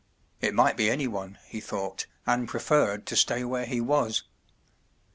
It might lie anyone, lie thought, and pre¬ ferred to stay where he was.